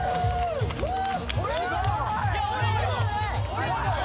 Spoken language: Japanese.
すごい俺？